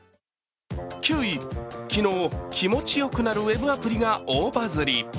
昨日、気持ちよくなるウェブアプリが大バズリ。